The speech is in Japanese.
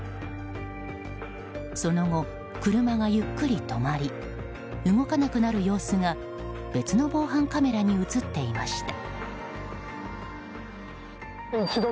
その後、車がゆっくり止まり動かなくなる様子が別の防犯カメラに映っていました。